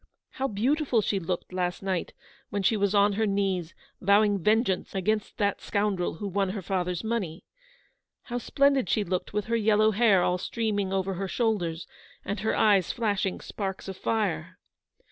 How beautiful she looked last night when she was on her knees, vowing vengeance against that scoundrel who won her father's money. How splendid she looked with her yellow hair all streaming over her shoul ders, and her eyes flashing sparks of fire